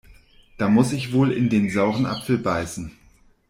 Da muss ich wohl in den sauren Apfel beißen.